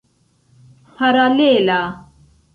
paralela